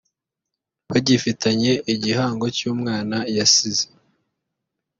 bagifitanye igihango cy’umwana yasize